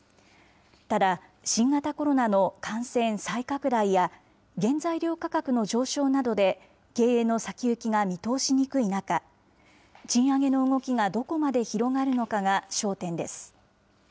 ただ新型コロナの感染再拡大や、原材料価格の上昇などで、経営の先行きが見通しにくい中、賃上げの動きがどこまで広がるのかが焦点です。